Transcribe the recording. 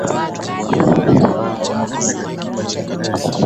Ukweli kwamba uvumbuzi kama huu bado unafanywa